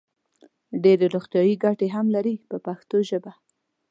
ډېرې روغتیايي ګټې هم لري په پښتو ژبه.